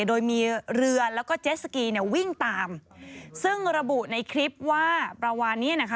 โดยมีเรือแล้วก็เจสสกีเนี่ยวิ่งตามซึ่งระบุในคลิปว่าประมาณนี้นะคะ